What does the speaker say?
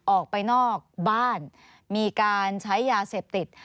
ออกไปนอกบ้านมีการใช้ยาเสพติด